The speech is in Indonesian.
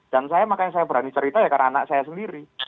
dan saya makanya saya berani cerita ya karena anak saya sendiri